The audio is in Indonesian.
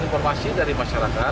informasi dari masyarakat